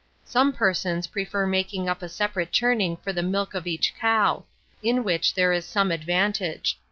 Some persons prefer making up a separate churning for the milk of each cow; in which there is some advantage.